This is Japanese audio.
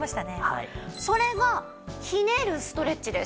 それがひねるストレッチです。